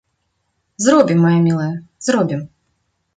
Зробім, мая мілая, зробім.